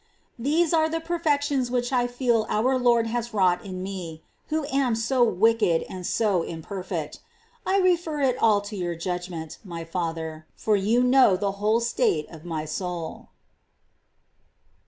These are the perfections which I feel our Lord has wrought in me, who am so wicked and so imperfect. I refer it all to your judgment, my father, for you know the whole state of my soul.